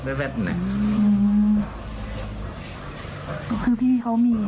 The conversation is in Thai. เพราะพ่อเชื่อกับจ้างหักข้าวโพด